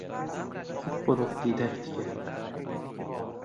Qup-quruq didaktika!